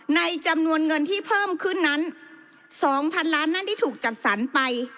จำนวนเงินที่เพิ่มขึ้นนั้น๒๐๐๐ล้านนั้นที่ถูกจัดสรรไป